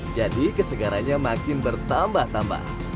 jadi kesegarannya makin bertambah tambah